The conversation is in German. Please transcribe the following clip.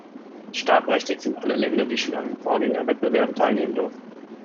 Startberechtigt sind alle Länder, die schon an den Vorgänger-Wettbewerben teilnehmen durften.